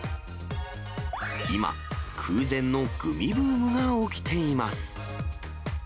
今、空前のグミブームが起きています。